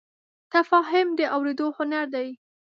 تفاهم د اورېدو هنر دی.